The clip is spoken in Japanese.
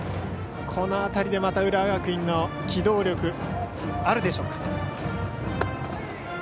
この辺りでも浦和学院の機動力あるでしょうか。